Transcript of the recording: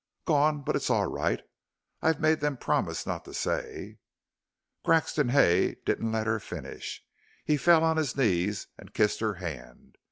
"Gone; but it's all right. I've made them promise not to say " Grexon Hay didn't let her finish. He fell on his knees and kissed her hand.